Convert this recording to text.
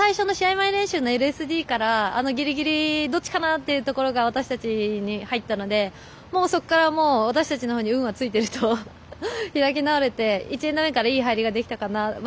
前練習のＬＳＤからどっちかなというところが私たちに入ったのでそこから、私たちのほうに運はついてると開き直れて１エンド目からいい入りができたかな。